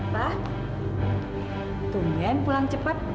pak tungguin pulang cepat